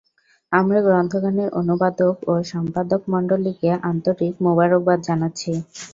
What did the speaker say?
আমরা গ্রন্থখানির অনুবাদক ও সম্পাদকমণ্ডলীকে আন্তরিক মুবারকবাদ জানাচ্ছি।